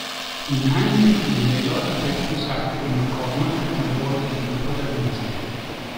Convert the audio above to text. Unanime furono le lodi per Cusack e McCormack nel ruolo delle due protagoniste.